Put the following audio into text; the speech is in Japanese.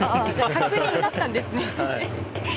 確認だったんですね。